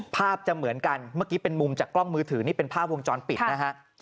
ภาพจะเหมือนกันเมื่อกี้เป็นมุมจากกล้องมือถือนี่เป็นภาพวงจรปิดนะฮะ